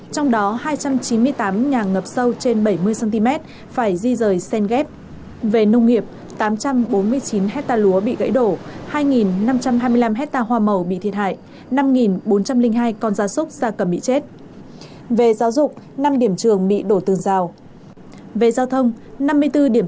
trong đó hai trăm chín mươi tám nhà ngập sâu trên bảy mươi cm phải di rời sen ghép